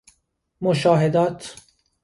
مشاهدات